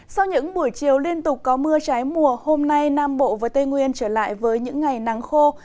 sau những buổi chiều liên tục có mưa trái mùa hôm nay nam bộ và tây nguyên trở lại với những ngày nắng khô